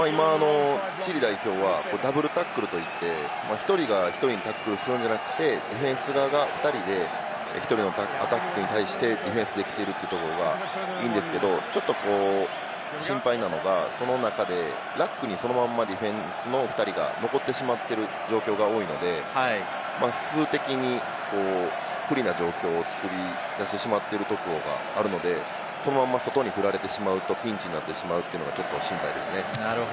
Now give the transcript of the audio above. チリ代表はダブルタックルと言って、１人が１人にタックルするんじゃなくて、ディフェンス側が２人で１人のアタックに対してディフェンスできているところがいいんですけど、ちょっと心配なのが、その中でラックにそのままディフェンスの２人が残ってしまってる状況が多いので、数的に不利な状況を作り出してしまってるところがあるので、そのまま外に振られてしまうとピンチになるのが心配ですね。